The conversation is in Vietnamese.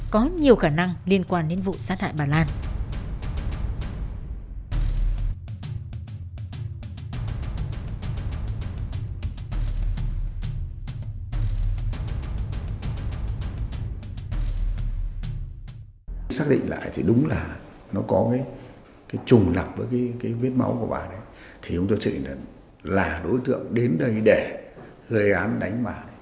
có nhiều khả năng liên quan đến vụ sát hại bà lan